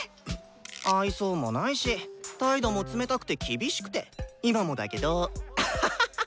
愛想もないし態度も冷たくて厳しくて今もだけど。あはは！